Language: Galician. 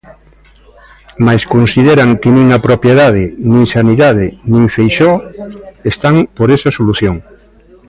Mais consideran que nin a propiedade nin Sanidade nin Feixóo están por esa solución.